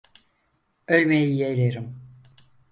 Ölmeyi yeğlerim.